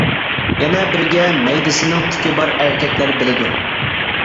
يەنە بىرگە مەيدىسىنىڭ تۈكى بار ئەركەكلەر بىلىدۇ.